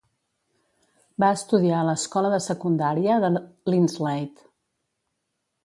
Va estudiar a l'escola de secundària de Linslade.